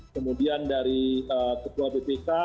kemudian dari ketua bpk